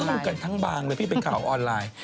ออนไลน์กันทั้งบ้างเลยพี่เป็นข่าวออนไลน์